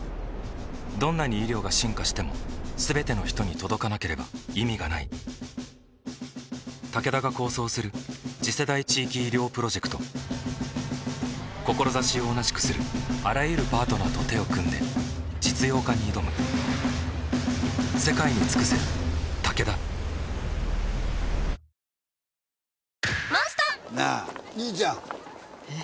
どんなに医療が進化しても全ての人に届かなければ意味がないタケダが構想する次世代地域医療プロジェクト志を同じくするあらゆるパートナーと手を組んで実用化に挑むハイリスクハイリターンチャレンジハラハラ１万円。